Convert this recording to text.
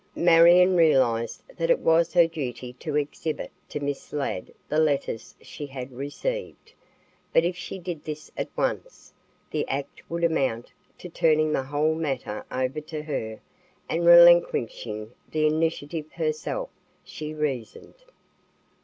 Marion realized that it was her duty to exhibit to Miss Ladd the letters she had received, but if she did this at once, the act would amount to turning the whole matter over to her and relinquishing the initiative herself, she reasoned.